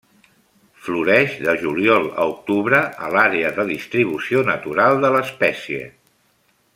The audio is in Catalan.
Floreix de Juliol a Octubre a l'àrea de distribució natural de l'espècie.